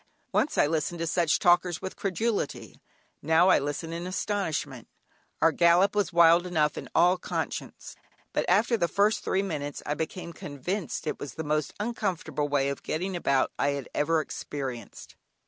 Once I listened to such talkers with credulity, now I listen in astonishment. Our gallop was wild enough in all conscience, but after the first three minutes I became convinced it was the most uncomfortable way of getting about I had ever experienced.